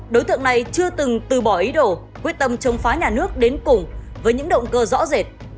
đối tượng này chưa từng từ bỏ ý đồ quyết tâm chống phá nhà nước đến cùng với những động cơ rõ rệt